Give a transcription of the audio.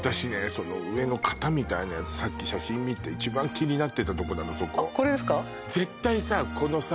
その上の型みたいなやつさっき写真見て一番気になってたとこなのそここれですか？